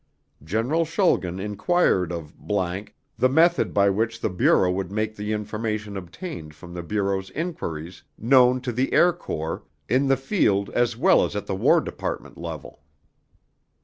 General Schulgen inquired of ____ the method by which the Bureau would make the information obtained from the Bureau's inquiries, known to the Air Corps, in the Field as well as at the War Department level.